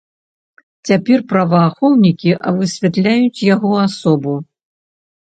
Цяпер праваахоўнікі высвятляюць яго асобу.